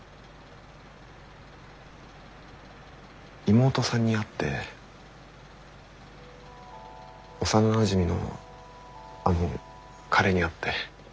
妹さんに会って幼なじみのあの彼に会って。